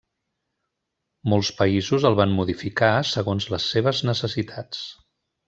Molts països el van modificar segons les seves necessitats.